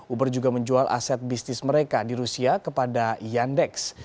uber juga menjual aset bisnis mereka di rusia kepada yandex